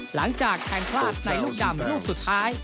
หลังจากแทงพลาดในลูกดำลูกสุดท้าย